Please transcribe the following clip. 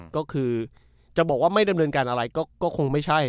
ก็คือจะบอกว่าไม่ดำเนินการอะไรก็คงไม่ใช่